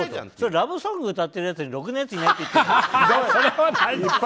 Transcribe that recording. ラブソング歌ってるやつにろくなやついないって言ってるの？